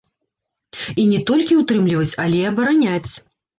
І не толькі ўтрымліваць, але і абараняць.